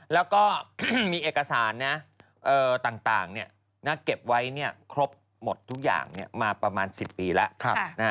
แล้วก็มีเอกสารต่างเก็บไว้ครบหมดทุกอย่างมาประมาณ๑๐ปีแล้ว